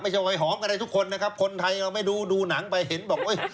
ไม่ใช่วัยหอมกันได้ทุกคนนะครับคนไทยเราไม่ดูดูหนังไปเห็นบอก